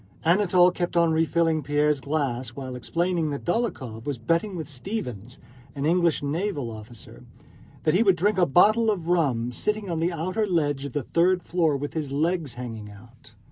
Anatole kept on refilling Pierre's glass while explaining that Dólokhov was betting with Stevens, an English naval officer, that he would drink a bottle of rum sitting on the outer ledge of the third floor window with his legs hanging out.